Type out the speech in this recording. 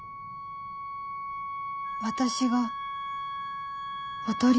私がおとり？